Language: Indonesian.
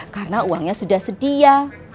karena uangnya sudah sedia